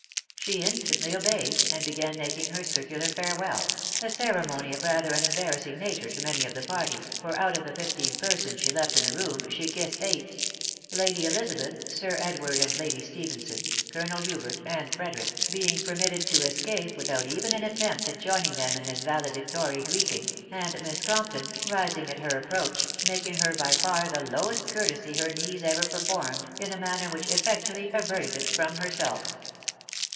She instantly obeyed, and began making her circular farewell — a ceremony of rattier an embarrassing nature to many of the party, for oat of the fifteen persons she left in the room, she ki»sed eight; Lady Elizabeth, Sir Edward and Lady Stephenson, Colonel Hubert, and Frederick, being permitted to escape without even an attempt at joining them in this valedictory greeting, and Miss Compton, rising at her approach, making her by far the lowest courtesy her knees ever performed, in a manner which effectually averted it from herself.